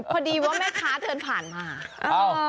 พอดีว่าแม่ค้าเดินผ่านมา